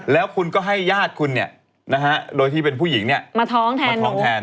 แล้วคุณก็ให้ญาติคุณโดยที่เป็นผู้หญิงมาท้องแทน